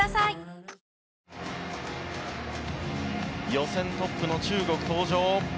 予選トップの中国、登場。